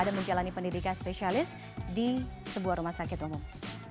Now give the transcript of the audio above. dan menjalani pendidikan subspesialis di sebuah rumah sakit umum